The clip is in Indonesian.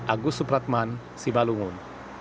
agus supratman sibalungun